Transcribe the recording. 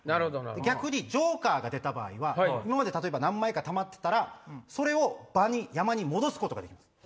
逆にジョーカーが出た場合は例えば何枚か溜まってたらそれを場に戻すことができます。